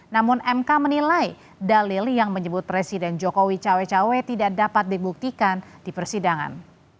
namun mk menilai dalil yang menyebut presiden jokowi cawe cawe tidak dapat dibuktikan di persidangan